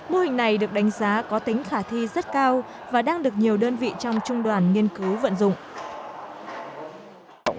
mô hình này được đánh giá có tính khả thi rất cao và đang được nhiều đơn vị trong trung đoàn nghiên cứu vận dụng